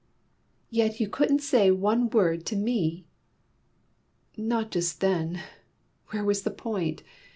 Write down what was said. "Yet you couldn't say one word to me!" "Not just then. Where was the point?